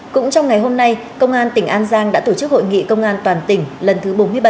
cũng trong ngày hôm nay công an tỉnh an giang đã tổ chức hội nghị công an toàn tỉnh lần thứ bốn mươi bảy